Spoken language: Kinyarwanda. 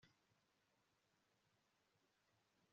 bub'amaraso y'umwana wawe